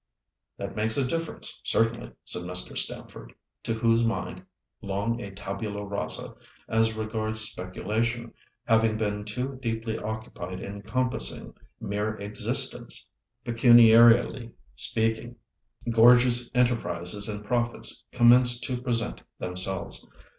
"That makes a difference, certainly," said Mr. Stamford, to whose mind—long a tabula rasa as regards speculation, having been too deeply occupied in compassing mere existence (pecuniarily speaking)—gorgeous enterprises and profits commenced to present themselves.